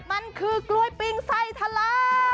มันคือกล้วยปิ้งไส้ทะลา